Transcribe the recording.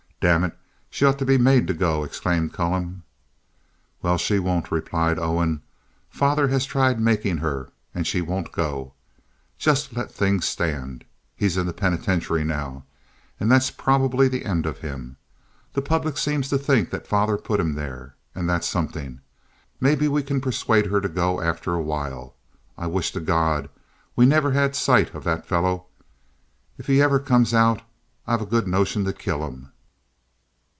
"Damn it, she ought to be made to go," exclaimed Callum. "Well, she won't," replied Owen. "Father has tried making her, and she won't go. Just let things stand. He's in the penitentiary now, and that's probably the end of him. The public seem to think that father put him there, and that's something. Maybe we can persuade her to go after a while. I wish to God we had never had sight of that fellow. If ever he comes out, I've a good notion to kill him."